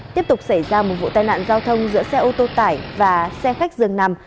tiếp tục xảy ra một vụ tai nạn giao thông giữa xe ô tô tải và xe khách dường nằm